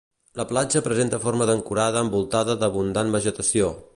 La platja presenta forma d'ancorada envoltada d'abundant vegetació.